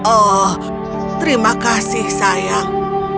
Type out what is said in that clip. oh terima kasih sayang